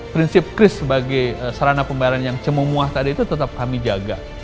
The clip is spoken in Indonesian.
prinsip kris sebagai serana pembayaran yang cemuah tadi itu tetap kami jaga